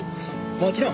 もちろん。